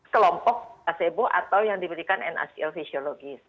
kelompok placebo atau yang diberikan nhl fisiologis